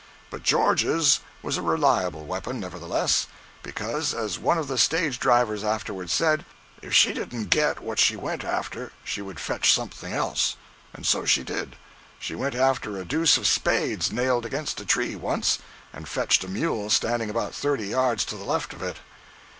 But George's was a reliable weapon, nevertheless, because, as one of the stage drivers afterward said, "If she didn't get what she went after, she would fetch something else." And so she did. She went after a deuce of spades nailed against a tree, once, and fetched a mule standing about thirty yards to the left of it.